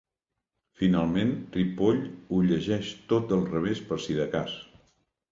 Finalment, Ripoll ho llegeix tot del revés per si de cas.